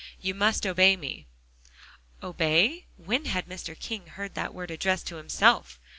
"You must obey me." Obey? When had Mr. King heard that word addressed to himself.